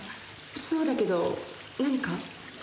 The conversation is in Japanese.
そうだけど何か？